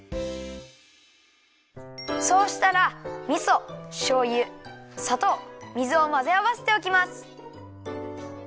そうしたらみそしょうゆさとう水をまぜあわせておきます。